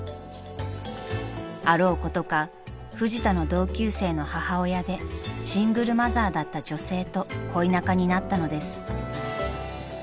［あろうことかフジタの同級生の母親でシングルマザーだった女性と恋仲になったのです］